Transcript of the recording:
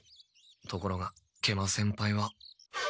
ところが食満先輩は。